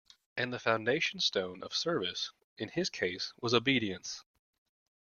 And the foundation stone of service, in his case, was obedience.